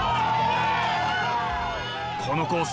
このコース